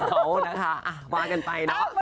เอานะคะมากันไปนะ